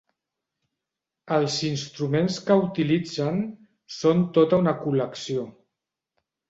Els instruments que utilitzen són tota una col·lecció.